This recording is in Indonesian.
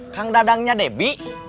kang dadangnya debbie